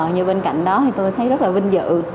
nhưng bên cạnh đó thì tôi thấy rất là vinh dự